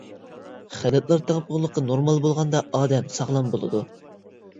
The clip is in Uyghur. خىلىتلار تەڭپۇڭلۇقى نورمال بولغاندا ئادەم ساغلام بولىدۇ.